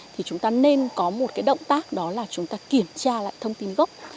thì chúng ta nên có một cái động tác đó là chúng ta kiểm tra lại thông tin gốc